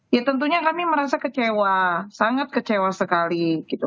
ya tentunya kami merasa kecewa sangat kecewa sekali gitu